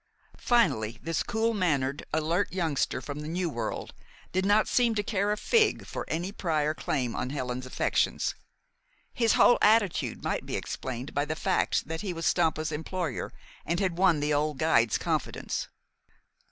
Finally, this cool mannered, alert youngster from the New World did not seem to care a fig for any prior claim on Helen's affections. His whole attitude might be explained by the fact that he was Stampa's employer, and had won the old guide's confidence.